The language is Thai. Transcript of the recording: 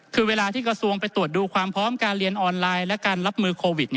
คือเวลาที่กระทรวงไปตรวจดูความพร้อมการเรียนออนไลน์และการรับมือโควิด